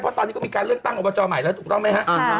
เพราะตอนนี้ก็มีการเรื่องตั้งอัพพยาบาลเจ้าใหม่ถูกต้องไหมฮะ